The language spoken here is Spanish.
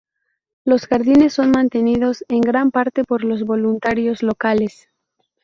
Los jardines son mantenidos en gran parte por los voluntarios locales.